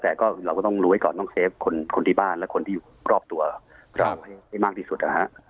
แต่เราก็ต้องรู้ไว้ก่อนต้องเซฟคนที่บ้านและคนที่รอบตัวมากที่สุด